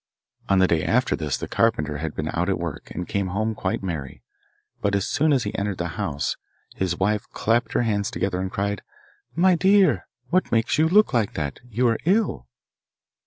On the day after this the carpenter had been out at work, and came home quite merry; but as soon as he entered the house his wife clapped her hands together and cried, 'My dear, what makes you look like that? You are ill.